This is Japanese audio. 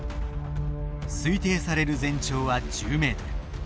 推定される全長は１０メートル。